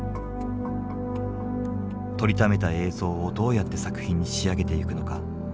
撮りためた映像をどうやって作品に仕上げてゆくのか。